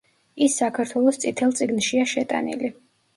ის საქართველოს წითელ წიგნშია შეტანილი.